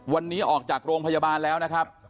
วันนี้ออกจากโรงพยาบาลแล้วนะครับ